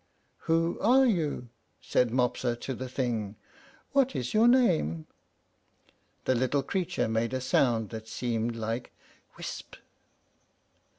"Who are you?" said Mopsa to the thing. "What is your name?" The little creature made a sound that seemed like "Wisp."